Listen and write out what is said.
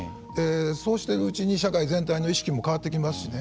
そうしているうちに社会全体の意識も変わってきますしね。